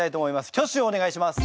挙手をお願いします。